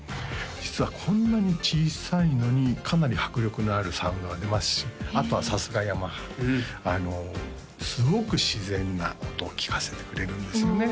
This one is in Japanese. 実はこんなに小さいのにかなり迫力のあるサウンドが出ますしあとはさすがＹＡＭＡＨＡすごく自然な音を聴かせてくれるんですよね